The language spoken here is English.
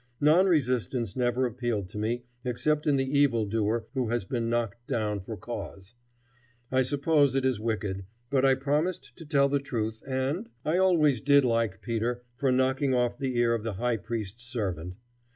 Non resistance never appealed to me except in the evildoer who has been knocked down for cause. I suppose it is wicked, but I promised to tell the truth, and I always did like Peter for knocking off the ear of the high priest's servant.